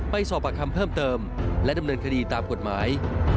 สอบประคำเพิ่มเติมและดำเนินคดีตามกฎหมาย